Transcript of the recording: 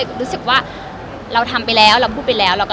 คือว่าเราได้พูดไปหมดแล้วอะค่ะ